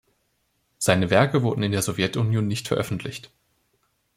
Seine Werke wurden in der Sowjetunion nicht veröffentlicht.